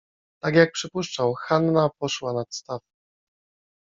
Tak jak przypuszczał, Hanna poszła nad staw.